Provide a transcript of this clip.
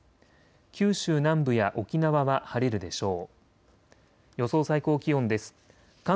九州南部や沖縄は晴れるでしょう。